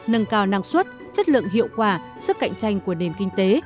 nâng cao năng suất chất lượng hiệu quả sức cạnh tranh của nền kinh tế